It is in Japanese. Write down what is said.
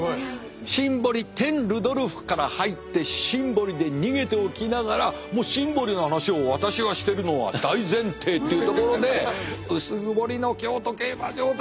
シンボリ・ルドルフから入ってシンボリで逃げておきながらもうシンボリの話を私がしてるのは大前提っていうところで薄曇りの京都競馬場。